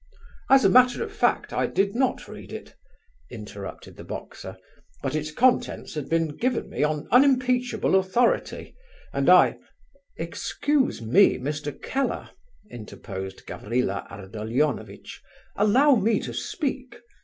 "As a matter of fact, I did not read it," interrupted the boxer, "but its contents had been given me on unimpeachable authority, and I..." "Excuse me, Mr. Keller," interposed Gavrila Ardalionovitch. "Allow me to speak.